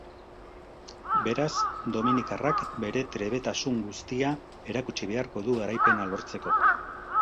Beraz, dominikarrak bere trebetasun guztia erakutsi beharko du garaipena lortzeko.